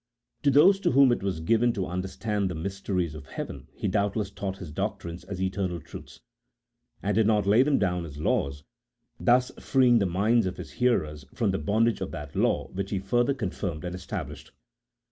To those to whom it was given to understand the mysteries of heaven, He doubtless taught His doctrines as eternal truths, and did not lay them down as laws, thus freeing ' the minds of His hearers from the bondage of that law which He further confirmed and established.